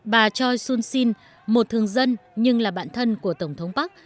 bà choi soon sin một thường dân nhưng là bạn thân của tổng thống park